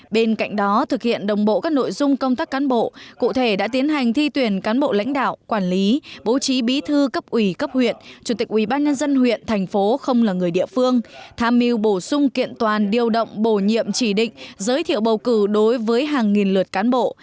bên cạnh đó thực hiện đồng bộ các nội dung công tác cán bộ cụ thể đã tiến hành thi tuyển cán bộ lãnh đạo quản lý bố trí bí thư cấp ủy cấp huyện chủ tịch ubnd huyện thành phố không là người địa phương tham mưu bổ sung kiện toàn điều động bổ nhiệm chỉ định giới thiệu bầu cử đối với hàng nghìn lượt cán bộ